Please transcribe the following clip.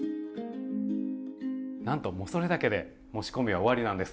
なんともうそれだけで仕込みは終わりなんです。